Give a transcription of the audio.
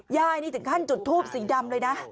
นี่ถึงขั้นจุดทูปสีดำเลยนะ